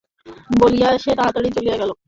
বলিয়া সে তাড়াতাড়ি চলিয়া গেল।